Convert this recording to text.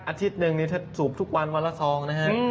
อาทิตย์หนึ่งนี่ถ้าสูบทุกวันวันละซองนะฮะ